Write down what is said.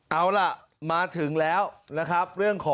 เอาล่ะมาถึงแล้วนะครับ